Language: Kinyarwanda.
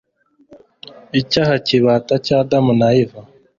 icyaha kibata cya adamu na eva